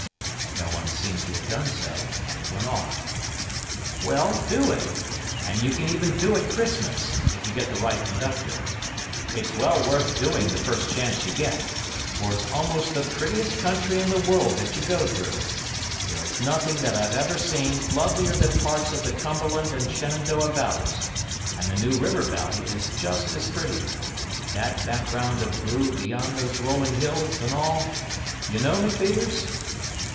No one seemed to have done so, and he went on: "Well, do it, and you can even do it Christmas, if you get the right conductor. It's well worth doing the first chance you get, for it's almost the prettiest country in the world that you go through; there is nothing that I've ever seen lovelier than parts of the Cumberland and Shenandoah Valleys, and the New River Valley is just as pretty,—that background of blue beyond those rolling hills, and all,—you know, McPheeters?"